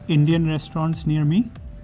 indian restaurants near me